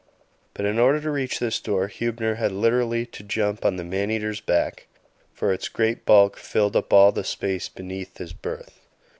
But in order to reach this door Huebner had literally to jump on to the man eater's back, for its great bulk filled up all the space beneath his berth.